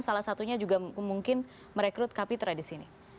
salah satunya juga mungkin merekrut kapitra disini